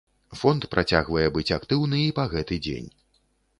Фонд працягвае быць актыўны і па гэты дзень.